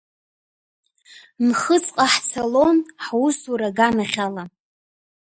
Нхыҵҟа ҳцалон ҳусуара аганахь ала…